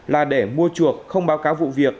là để mua chuộc không báo cáo vụ việc